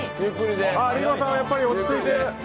リンゴさんはやっぱり落ち着いている。